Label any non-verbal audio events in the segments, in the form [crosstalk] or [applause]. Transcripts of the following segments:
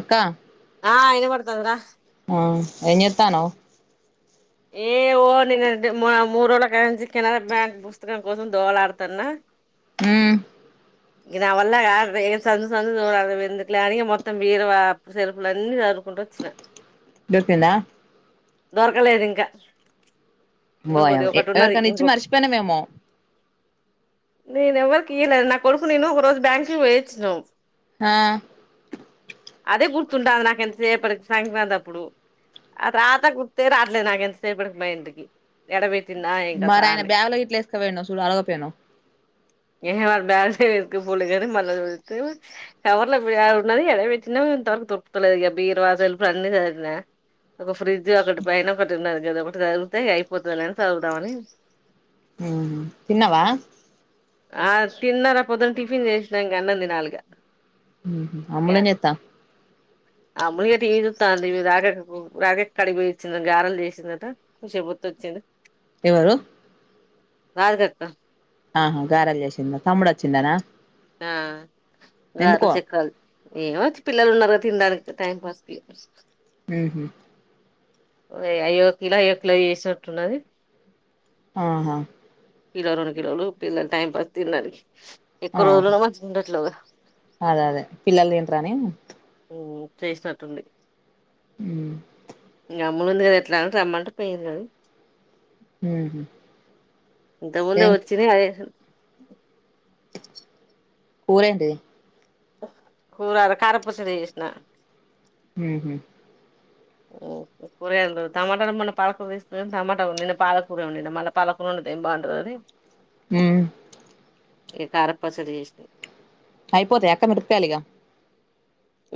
అక్కా ఆ ఇన బడతాంది రా ఉ ఎంజెత్తాన్నావ్ ఏ ఓ నేను మూడు రోజుల క నుంచి కెనరా బ్యాంకు పుస్తకం కోసం దోవలాడతన్న ఊ ఇంగ నా వల్ల సందు సందు చూడడము ఎందుకులే అని ఇంగ బీర్వా సెల్ఫులన్నీ సద్ కుంటు వొచ్చిన దొరికిందా దొరకలేదు ఇంకా ఇంగొగది ఓయమ్మ ఎ ఒకటి ఉన్నది ఎవరికన్నా ఇచ్చి ఇంగొకటి మర్చిపోయినవేమో నేను ఎవ కి ఈను నా కొడుకు నేను ఒఓ రోజ బ్యాంకి పొయొచ్చినాం హా అదే గుర్తుంటాంది నాకెంతసేపటి సంక్రాంతి అప్పుడు ఆ తర్వాత గుర్తే రావట్లేదు నాకెం ఎంత సేపటికి మైండ్ కి యాడో వెట్ మరి ఆయన బ్యాగులో గిట్ల ఏసుకుపొయోన్నొ సూడు అడగయిపోయినావ్ ఏ హ వాడు బ్యాగులో ఎసుకుపోలెగాని [unintelligible] ఇంతవరకు తొరకతలేదు ఇక బీర్వా సెల్ఫు లు అన్నీ సర్దినా ఒక ఫ్రిడ్జ్ ఫ్రిజ్ ఒకటి పైన ఒకటి ఉన్నది గదొక్కటి సర్దుతే అయిపోతుంది లే అని చదువుదామని ఉ తిన్నవా ఆ తిన్నారా పొద్దున టిఫిన్ చేసినా ఇంక అన్నం దినాలి ఇగ ఊహు అమ్ముళేం జేత్తా అమ్ములు ఇగ టీవీ జూత్తాంది రాజెక్కకు రాజెక్క కాడికి బొయొచ్చింది గారెలు జేసింది అన్ త కొస్సేపు వొత్తొచ్చింది ఎవరు రాది కక్క ఆహా గారేలు జేసిందా తమ్ముడు వచ్చిండన ఆ గారెలు చక్రాలు ఏమో పిల్లలు ఉన్నారు గద తిన్ డానికి టైం పాస్కి ఊహు ఏ అయొ కిలో అయొ కిలో చేసినట్టున్నది ఆహా పిల రెండు కిలోళు పిల్లలు టైం పాస్ తిండానికి ఆ [unintelligible] అదే అదే పిల్లలు తింటరని చేసినట్టుంది ఊ ఇంక అమ్ములు ఉంది గదా ఎట్లా రమ్మంటె పొయింది గదు ఉహు ఇంతకు ముందె ఏం వచ్చింది [unintelligible] కూరేంది కూర కారం పచ్చడి జేసినా ఊహు ఓ కురేందో టమాటాలు మొన్న పాలకూర దీసుకున్నాను టమాటా ని పాలకుర వొండిన మళ్ళ పాలకూర వండితే ఏం బాగుంటుందని ఊమ్ ఇ కారం పచ్చడి చేస్తి అయిపోతాయ అక్క మిరపకాయాలు ఇగా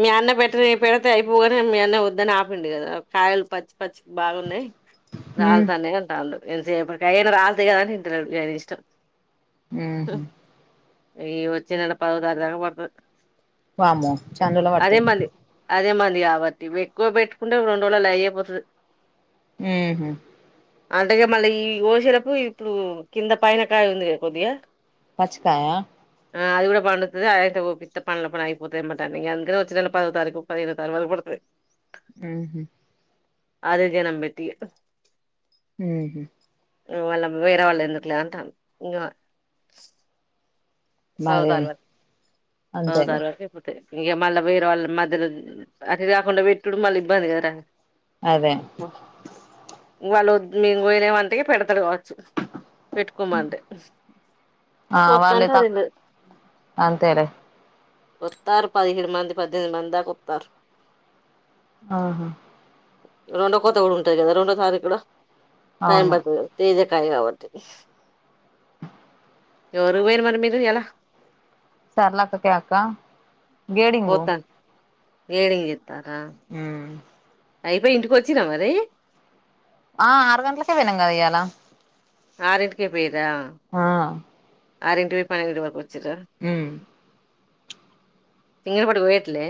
మీ అన్న పెట్టని పెడితే అయిపోగానే మీ అన్న వద్దని ఆపిండు గదా కాయలు పచ్చి పచ్చి బాగున్నాయి ఉమ్ రాలతాన్నాయ్ అంటాండు ఎంతసేపటికి అయ్యాక రాలత కదా ఇంట లేదు ఆయన ఇష్టం ఊహు ఈ వచ్చే నెల పదో తారీఖు దాకా పడుతది వామ్మో చాన్ రోజులకు అదే పడతాయి మంది అదే మంది కాబట్టి ఎక్కువ పెట్టుకుంటే రెండు రోజులల్లో అయేపోతది మ్మ్ హ్ అంటే ఇగా మళ్ళీ ఈ గోశెటప్పుడు ఇప్పుడు కింద పైన కాయ ఉందిగా కొద్దిగా పచ్చకాయా ఆ అది కూడా పండుతది అది గూడా కోపిత్తా పండ్లు అయిపోతయి మొత్తం అందరు వచ్చి నన్ను పదవ తారీకు పదిహేను తారీఖు వరకు పడుతాయి మ్మ్ హ్హ్ ఆదే జనం పెట్టి ఇగా మ్హ్హ్ వాళ్లు వేరే వాళ్ళు ఎందుకు లే అంటాళ్లు ఇంగా పదో మరి తారీఖు వరకు పదో అంతేలే తారీఖు అయిపోతది ఇగా ఇంకా మళ్ళీ వేరే వాళ్ళ మధ్యలో అటు ఇటు కాకుండా పెట్టుడు మళ్ళీ ఇబ్బంది కదారా అదే వాళ్ళ ఒడ్లు మేం పోయిన అంటే ఇగా పెడుతడు కావచ్చు పెట్టుకోమంటే ఆ వాళ్ళే కొత్తంటే తక్ అయిద్ది అంతేలే వత్తాన్రు పదిహేడు మంది పద్దెనిమిది మందిదాకా వత్తాన్రు ఆహా రెండో కొత కూడా ఉంటది కదా రెండో తారీఖు కూడా టైం అవును పడుతుంది తేజ కి కలువ బట్టి ఎవరు పోయిన్రు మరి మీరు ఇయ్యాల సర్లాక్క కే అక్క గేడింగ్ గెడింగ్ చేత మ్మ్ హ్ అయిపోయి ఇంటికి వచ్చిన్రా మరి ఆ ఆరు గంటలకే పోయినం కదా ఇయ్యాలా ఆరింటికే పోయన్రా ఆరింటికి పోయి పన్నెండు ఇంటికి ఉ తింగల పాటు పోయట్లే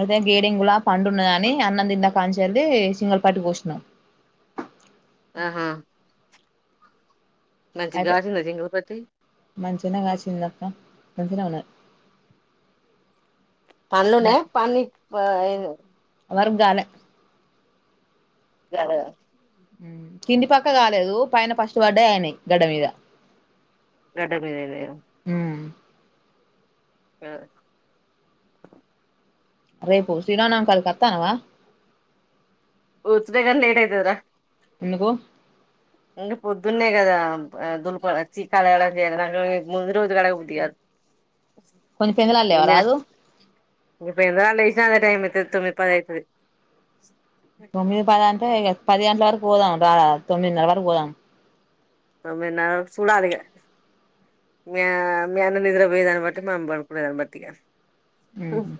అంటే గేడంగ్ లా పండువున్నదని అన్నం తిన్న కాంచెల్లి సింగల్పాటి పోసినం ఆహా మంచి అయితే గాసిందా చింగడి పట్టి మంచినే కాసిందక్క మంచిగానే ఉన్నది పండ్లు ఉన్నాయా వర్గాలు గలవు కింది పక్క కాలేదు పైన ఫస్ట్ పడ్డయ్ అయినయ్ గడ్డ మీద గడ్డ మీద అయినయా ఉ ఆ తనవా ఊడ్చుడే గానీ లేట్ అయితదిరా ఎందుకు ఇంకా పొద్దున్నే కదా దులుపడం ఛీ కడగడం చేయ ముందు రోజు కడగ బుద్ది కాదు కొంచెం పెందలాకాడ లేవరాదు ఆ లేసినా అదే టైమ్ అయితది తొమ్మిది పదైతది తొమ్మిది పది అంటే ఇగ పది గంటల వరకు పోదాం రా తొమ్మిదిన్నర వరకు పోదాం తొమ్మిదిన్నరవరకు చూడాలి ఇగా మీ అన్న నిద్ర పోయే దాన్ని బట్టి మా అమ్మ అనుకునే దాన్ని బట్టి ఇక మ్మ్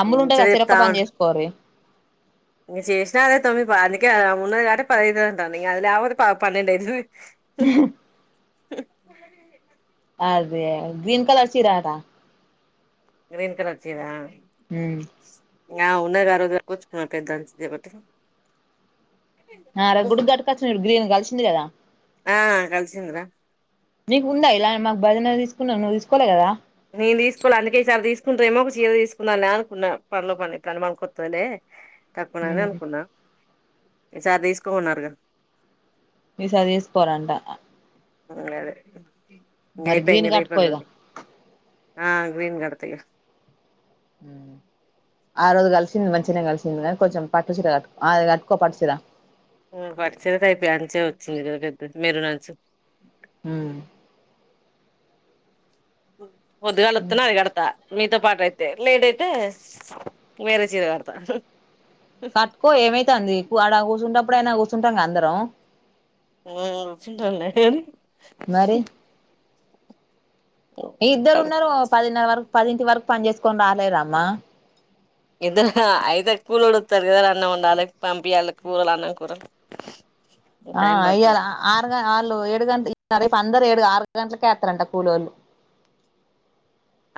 అమ్ములు ఉండే ముచ్చట కదా చెరొక్క పని చేసుకోన్రి ఇంగ చేసిన అదే తొమ్మి పా అందుకే ఆ మూన్నది కాబట్టే పది అయితది అంటన్న గది లేపోతే ప పన్నెండు అయితది అదే గ్రీన్ కలర్ చీర టా గ్రీన్ కలర్ చీర ఉమ్ ఆ ఉన్నదిగా ఆరోజ్ కట్టకచుకున్న పెద్ద అంచ్ ఒకటి ఆ రో గుడి క్ గటకచ్చినపు డు గ్రీన్ కలిసింది కదా ఆ కలిసిందిరా నీకుందా ఇలా మాకు భజన తీసుకున్నా నువ్వు తీసుకోవలే కదా నేను తీసుకోలే అందుకే ఈసారి తీసుకుంటే ఏమో ఒక చీర తీసుకుందాలే అనుకున్నా పనులో పని ఇట్లాన్ టికి పనికోత్తలేే తక్కువనని అనుకున్నా ఈ సారి తీసుకో మన్నారుగా ఈసారి తీసక పోరంటా ఉమ్ గదే గయితే ఇంగ గ్రీన్ రేపే కట్టుకో ఇగ [unintelligible] ఆ గ్రీన్ గడ్ తగా ఆ రోజు కలిసింది మంచిగానే కలిసింది కానీ కొంచెం పట్టు సీర కట్టు ఆ అది కట్టుకో పట్టు సీర ఉమ్ పట్టు చీరకయితే అంచే వచ్చింది కదా పెద్దది మేరునన్ చ్చు ఉమ్ పొద్దుగాలతున్నా అది కడతా మీతో పాటఅయితే లేట్ అయితే వేరే చీర కడతా కట్టుకో ఏమైతన్ ది ఆడ కూర్చుంటప్పుడుైనా కూర్చుంటాం గా అందరం ఉమ్ కూర్చుంటంలే గాని మరి ఇద్దరు ఉన్నారు పదిన్నర వరకు పదింటి వరకు పని చేసుకొని రాలేర అమ్మా ఇద్దరు అయితే కూలొడొత్తాడు కద అన్నం వండాలె పంపియాలే కులోల్లా అన్నం కూర ఆ అయ్య ల ఆరు గ ఆళ్ ఏడు గంట రేపు అందరు ఏడుగా గంటలకే ఎత్రంటా కూలోళ్ళు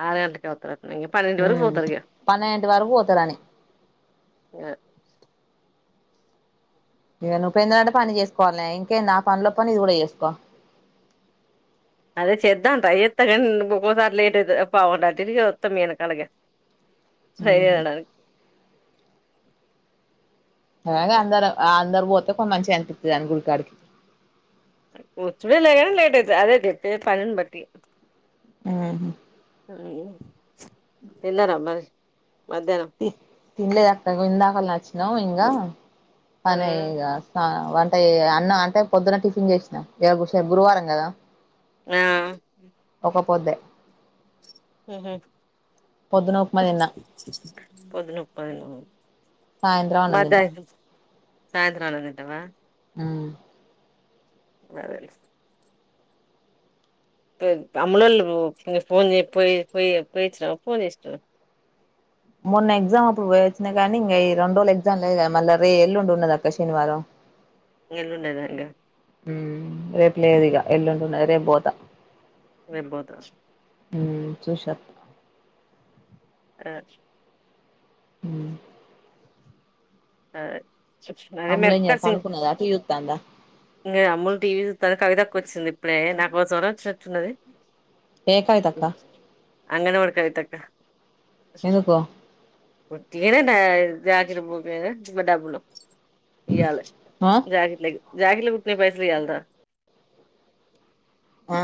ఆరు గంట్లకే వత్తరన్ గ పన్నెండు వరు ఉమ్ పోతరిగ పన్నెండింటి వరకు పోతారని ఇగ నువ్ పెందుగంటే పని చేసుకోవాల్నె ఇంకేన్ ది ఆ పనిల పని ఇది కూడా చేసుకో అదే చేద్దామ్ ట్రై చేత్తా కానీ ఒక్కోక్ సారి లేట్ అయిత పావ్ గంట అటుఇటు వత్తం మీ ఎనకాలగ సైరే డానికి ఎలాగో అందరు అందరు పోతే కొ మంచిగా అనిపిత్తది దని గుడికాడికి వచ్చుడేలే గాని లేట్ అయితది అదే జెప్పేది పనిని బట్టి ఉమ్మ్ ఈ తిన్నారమరి తి తిన్లేదక్క ఇందకనే వచ్చినమ్ ఇంగా పనైయ్ గ సా వన్ టయ్ అన్న అంటే పొద్దున్న టీఫిన్ చేసినా ఇగ గు ర్సే గురువారం కదా ఆ కో పోద్దె ఉమ్ హు తిన్నా పొద్దున ఉప్మా తిన్న సాయంత్ర మ్ అన్నమ్ తింట సాయంత్రం అన్నం తింటవా ఉమ్ నా దెల్స్ అమ్ములోలు ఫోన్ జేయ్ పోయ్ పోయ్ పోయో చ్చినవా ఫోన్ చేసినావ మొన్న ఎగ్జామ్ అప్పుడు వోయి వచ్చిన గానీ ఇంగ ఈ రెండ్రోజులు ఎగ్జమ్ లేదు కద మళ్ళా రే ఎల్లుండి ఉన్నదక్క శనివారం ఎల్లుండేనా ఇంగ రేపు లేదు ఇక ఎల్లుంటున్నది రేపు పోతా రేప్ పోత ఊ చూసత్ ఆ ఊ సరే అమ్ములు ఏం చే [unintelligible] పనుకున్నదా టీవీ చూత్తాందా అమూల్ టీవీ చూస్తుంది వచ్చింది ఇప్పుడే నాకుసం వచ్చినట్లున్నది. ఏ కవిత అక్క అంగణవాణి కవిత అక్క ఎందుకో వాటిగానే జగిర బోగానే డబ్బులు ఇయల ఆ జాగిట్లేకి జాకెట్లు కుడితే పైసల్ ఇయాల్న ఆ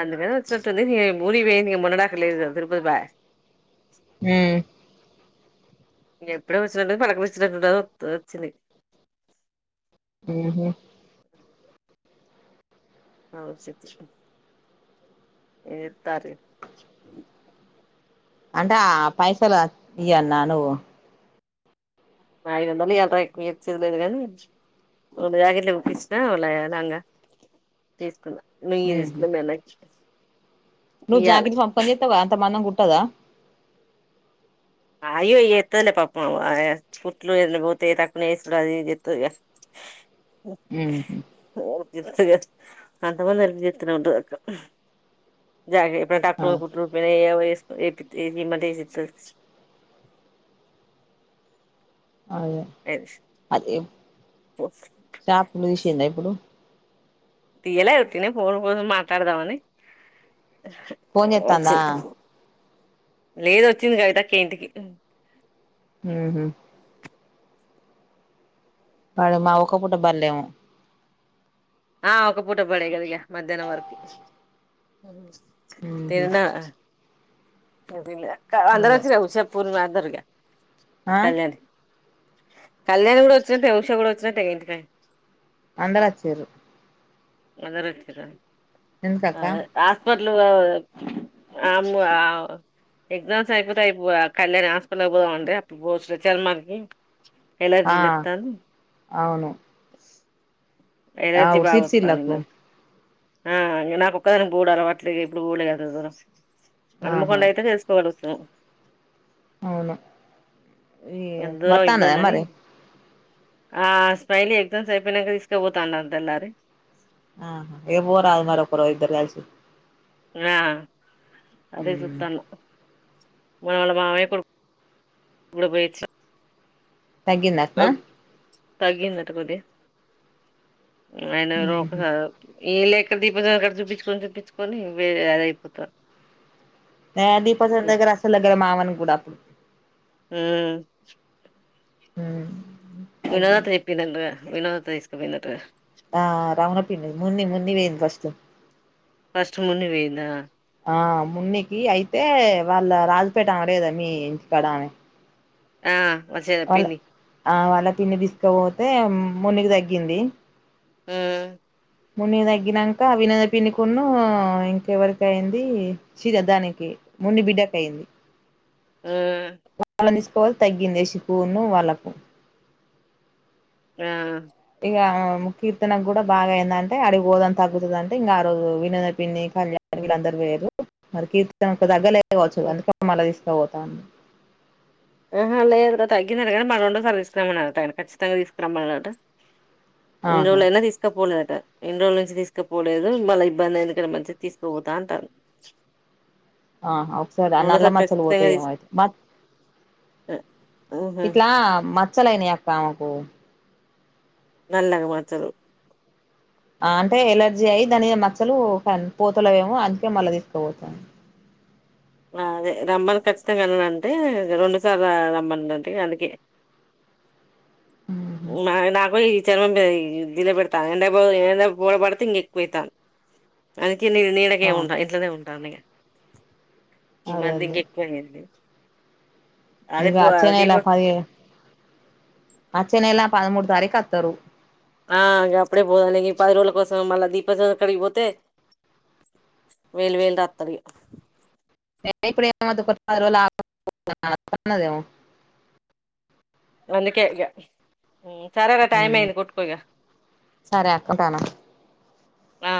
అందుకని వచ్చినట్లున్నదిటు మూడికి పోయినాదిగా మున్నడాకలేదు అదురుపా ఊ ఎప్పుడో వచ్చి పలకరించట త్ వచ్చింది ఊహా అ స ఇతారు అంటే ఆ పైసలు ఇయాల్న నువ్వు ఐదుందాలుయలరా ఎక్కువ ఇచ్చేదిలేదు కానీ వాళ్ళ జాకెట్లు కుచ్చిన వాళ లాంగా తీసుకున్నా లుగీ ఉహు తీసుకున్న మీ అన్నకి నువ్వు ఇయ్యాలే జాకెట్టు ఫంకని చెత్తావా అంత మందం గుట్టదా అయ్యో ఎతునే పాపమా కుుట్లు అన్నపోతే తకున వేసుడు అది ఇది ఎతుది ఉహు అంత మంది హెల్ప్ చేతనే వుంటనక్క జాగప్పు కుట్లు [unintelligible] ఏమియంటి ఏసిస్తాది. అదే అదే చేపలు తీసిందా ఇప్పుడు తీయలే యుతనే పోన్ ఫన్ మాట్లాడదావని ఫోన్ చేతంద లేద వచ్చింది కవితక్క ఇంటికి ఊహు వాడు మా ఒక పుటబర్లేము ఆ ఒక పూట పడేగలిగా మధ్యాహ్నం వరకు ఆ అదిలా అంధ్రా చ రావుషా పూర్ణ దర్గ ఆ కళ్యాణ కళ్యాణి కూడా వచ్చినే ఉష కూడా వచ్చిన తెగంటి అందరు వచ్చిలు నగరచ్చర ఎందుకక్క అదే ఆస్పిటల్ అమ్ ఎగ్జామ్స్ అయిపోతేయిపో కళ్యాణ్ హాస్కల్యి పోదామండి అప్పుడు పోస్చారు మార్కి ఆ ఎలర్జీలత్తా అంది అవును ఎలర్జీ ఆవు బాగా వత్తాంది సిర్సిల్లకు మరి ఆ నాక ఒక్కదానికి బూడాల అట్లే ఇప్పుడు బూడ కదదుర ఆహా మనుమకొండ అయితే చేసుకోగలుగుచ్చు అవును ఈ ఎంత దూరం వతాన ఇబ్బందని మరి ఆ స్మైలీ ఎగ్జామ్ అయిపోయాక తీసుకుపోతా అంటున్నది ఆ ఏ పోరాదు మారప ఇధరు కల్సి ఆ అదే సుతాన్నా మనవళ మామే కొడు ప్పుడు పోయిచ్చ తగ్గిందంటన తగ్గిందట కొది ఆయన ఉహు ఒకసారి ఈ లే ఎక్కడ దీపించ అక్కడ చూపించుకొని చూపించుకొని వేరే అదయిపోతారు [unintelligible] హ్మ్మ్ హ్మ్మ్ వినోద తె తీప్పిందింట వినోద తె తీసుకు పయిందింట ఆ రౌన పిన్న మున్నిి మున్నిి పోయింది ఫస్ట్ ఫస్ట్ మున్ని పోయిందా ఆ మున్నికి ఐదు యే వాళ్ళ రాజపేట అక్కడేదా మీ ఇంటికాడమె ఆ మచ్చేద పిన్నీ అలా పిండి తీసుకపోతే మునికి తగ్గింది ఆ మున్ని తగ్గినక వినద పిన్నికును ఇంకెవరిక అయింది చిర దానికి మున్ని బిడ్డకు అయింది హ్మ్మ్ తగ్గింది యాసికుూను వాళ్ళకు ఆ కీర్తనకు కూడా బాగా ఏందంటే అడిగి గోదం తగ్గుతుంది అంటే ఇంకా ఆ రోజు వినోద పిండి కళ్యాణ వీళ్ళందరుూ పోయిరు మరి కీర్తన తగ వచ్చు అందుక మళ్ళా తీసుక పోతాను ఆహా లేదు తగ్గంది కానీ మనండ సర్దివికున్నాామన్నారు తగని ఖచ్చితంగా తీసుకురాం మ ఇన్ని ఆహా రోజులు అయినా తీసుకపోలే ఇన్ని రోజుల నుంచి తీసుకుపోలేదు మళ్ళ ఇబ్బంది అయింది కంట మంచిగా తీసుకోపోతా అంటారు ఆ ఒక సరీ అ నల రెండోసారి మచ్చలు ఖచ్చితంగా పోతాయి తీసుకు ఏమో ఊహు ఇట్లా మచ్చలయినయి అక్క ఆమెకు నల్లని మచ్చలు అంటే ఎలర్జీ అయ్యి దాని మచ్చలు పోతలవేమో అందుకే మళ్ళా తీసుకోవచ్చ అదే రమ్మని ఖచ్చితంగాన్నా అంటే రెండుసార్లు రమ్మనుంటే అందుకే మా నవీ చర్మం దల పెడతాను ఎండ ఎండ పోల పడితే ఇంక ఎక్కువవుతాను అ కి నీడకే ఆ ఉంటా ఇట్లనే ఉంటా అ ఈ అదే మంత్ ఇంక అదే ఎక్కువయంది ఇక అచ్చనే ఎలా పది అచ్చనే ఎలా పదమూడు తారీఖ అత్తారు ఆ అప్పుడే పోదాంిక పది రోజుల కోసం మళ్ళా దీప చం కడిగిపోతే వేలు వేలు రాత్రడి [unintelligible] అందుకే అడిగా సరార టైమ్ అయింది కుట్కోగా సరే అక్క ఉంటాను ఆ